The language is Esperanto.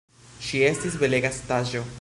Ŝi estis belega estaĵo.